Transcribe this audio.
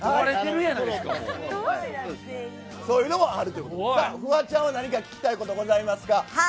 そういうのもあるということで、フワちゃんは何か聞きたいことございますか？